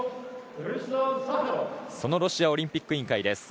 そのロシアオリンピック委員会。